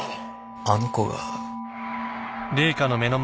あの子が。